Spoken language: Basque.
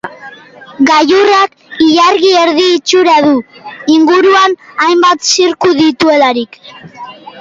Gailurrak ilargi erdi itxura du, inguruan hainbat zirku dituelarik.